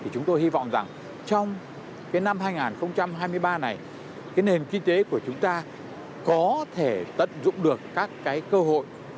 chúng tôi hy vọng rằng trong năm hai nghìn hai mươi ba này nền kinh tế của chúng ta có thể tận dụng được các cơ hội